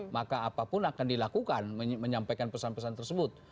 maka apapun akan dilakukan menyampaikan pesan pesan tersebut